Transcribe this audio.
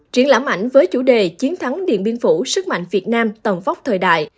triển lãm ảnh với chủ đề chiến thắng điện biên phủ sức mạnh việt nam tầm vóc thời đại